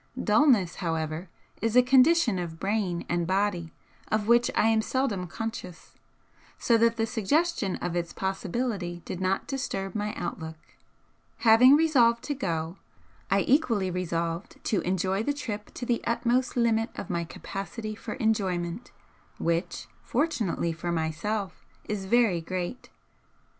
Dulness, however, is a condition of brain and body of which I am seldom conscious, so that the suggestion of its possibility did not disturb my outlook. Having resolved to go, I equally resolved to enjoy the trip to the utmost limit of my capacity for enjoyment, which fortunately for myself is very great.